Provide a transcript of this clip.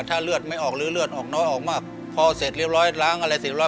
ถ้าเลือดไม่ออกหรือเลือดออกน้อยออกมากพอเสร็จเรียบร้อยล้างอะไรเสร็จร้อ